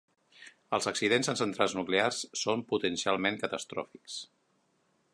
Els accidents en centrals nuclears són potencialment catastròfics.